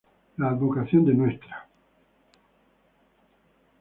La advocación de Ntra.